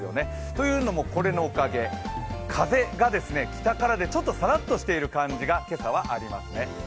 というのも、これのおかげ風が北からでちょっとさらっとしている感じが今朝はありますね。